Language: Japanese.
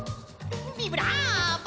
ビブラーボ！